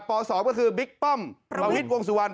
ป๒ก็คือบิ๊กป้อมประวิทย์วงสุวรรณ